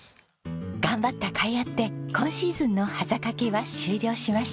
頑張ったかいあって今シーズンのはざかけは終了しました。